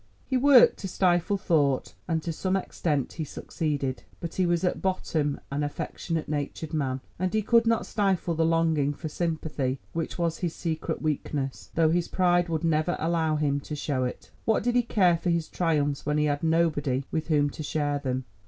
He worked to stifle thought, and to some extent he succeeded. But he was at bottom an affectionate natured man, and he could not stifle the longing for sympathy which was his secret weakness, though his pride would never allow him to show it. What did he care for his triumphs when he had nobody with whom to share them?